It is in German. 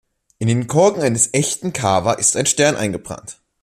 In den Korken eines echten Cava ist ein Stern eingebrannt.